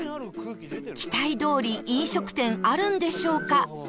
期待どおり飲食店あるんでしょうか？